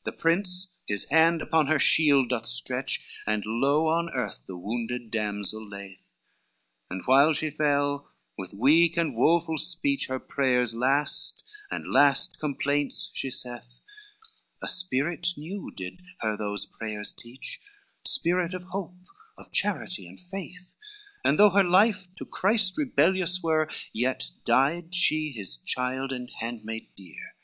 LXV The prince his hand upon her shield doth stretch, And low on earth the wounded damsel layeth, And while she fell, with weak and woful speech, Her prayers last and last complaints she sayeth, A spirit new did her those prayers teach, Spirit of hope, of charity, and faith; And though her life to Christ rebellious were, Yet died she His child and handmaid dear.